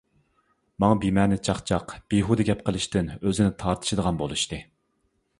ماڭا بىمەنە چاقچاق، بىھۇدە گەپ قىلىشتىن ئۆزىنى تارتىشىدىغان بولۇشتى.